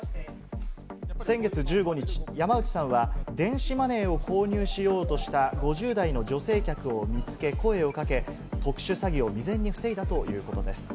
先月１５日、山内さんは電子マネーを購入しようとした５０代の女性客を見つけ声をかけ、特殊詐欺を未然に防いだということです。